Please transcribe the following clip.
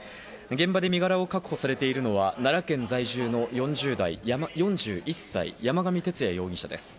現場で身柄を確保されているのは奈良県在住の４１歳、山上徹也容疑者です。